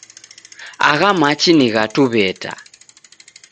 Agha machi ni gha Tuw'eta